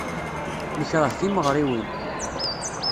Nekṛeh timeɣriwin.